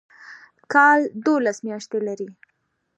کال دوولس میاشتې لري